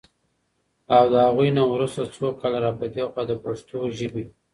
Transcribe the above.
او د هغوی نه وروسته څو کاله را پدې خوا د پښتو ژبې